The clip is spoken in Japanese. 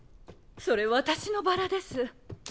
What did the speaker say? それ私のバラです。